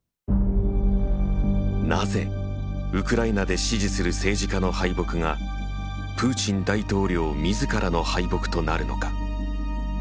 なぜウクライナで支持する政治家の敗北がプーチン大統領みずからの敗北となるのか？